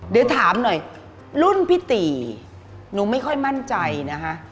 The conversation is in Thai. เดี๋ยวถามหน่อยรุ่นพี่ตีหนูไม่ค่อยมั่นใจนะคะ